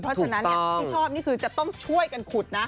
เพราะฉะนั้นที่ชอบนี่คือจะต้องช่วยกันขุดนะ